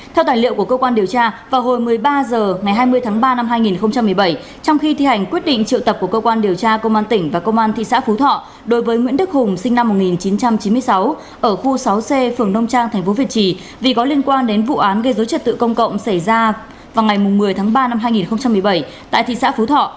theo tài liệu của cơ quan điều tra vào hồi một mươi ba h ngày hai mươi tháng ba năm hai nghìn một mươi bảy trong khi thi hành quyết định triệu tập của cơ quan điều tra công an tỉnh và công an thị xã phú thọ đối với nguyễn đức hùng sinh năm một nghìn chín trăm chín mươi sáu ở khu sáu c phường nông trang tp việt trì vì có liên quan đến vụ án gây dối trật tự công cộng xảy ra vào ngày một mươi tháng ba năm hai nghìn một mươi bảy tại thị xã phú thọ